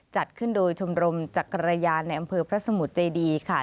จัดขึ้นโดยชมรมจักรยานในอำเภอพระสมุทรเจดีค่ะ